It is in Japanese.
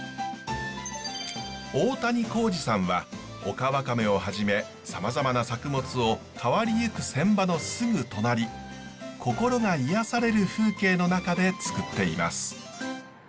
大谷浩司さんはオカワカメをはじめさまざまな作物を変わりゆく船場のすぐ隣心が癒やされる風景の中でつくっています。